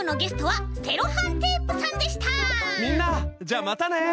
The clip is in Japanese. じゃあまたね！